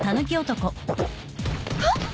あっ！